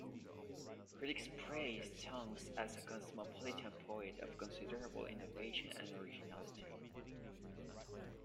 Critics praised Tonks as a cosmopolitan poet of considerable innovation and originality.